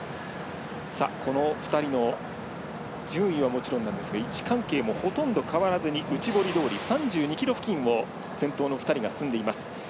この２人の順位はもちろんなんですが位置関係もほとんど変わらずに内堀通り３２ｋｍ付近を先頭の２人が進んでいます。